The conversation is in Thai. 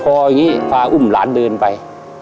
ถ้าวันไหนตังค์ไม่พออย่างนี้พาอุ้มหลานเดินไป